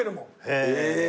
へえ！